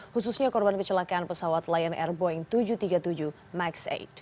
khususnya korban kecelakaan pesawat lion air boeing tujuh ratus tiga puluh tujuh max delapan